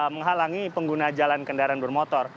menghalangi pengguna jalan kendaraan bermotor